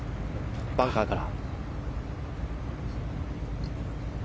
バンカーから。